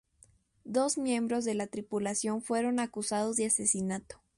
Dos miembros de la tripulación fueron acusados de asesinato.